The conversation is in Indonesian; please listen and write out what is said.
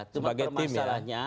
sebagai tim ya